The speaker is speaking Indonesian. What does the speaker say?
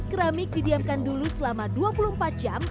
keramik didiamkan dulu selama dua puluh empat jam